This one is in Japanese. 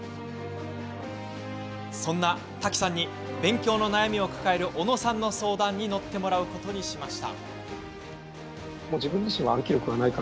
そんな瀧さんに勉強の悩みを抱える小野さんの相談に乗ってもらうことにしました。